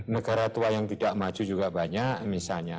negara tua yang tidak maju juga banyak misalnya